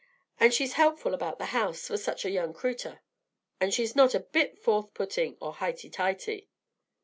And she's helpful about the house for such a young cretur, and she's not a bit forth putting or highty tighty.